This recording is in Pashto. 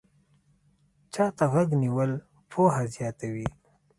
چا ته غوږ نیول پوهه زیاتوي